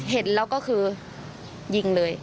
เห็นแล้วก็คือยิงเลย